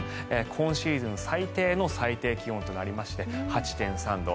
今シーズン最低の最低気温となりまして８．３度。